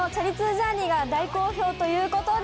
ジャーニーが大好評ということで。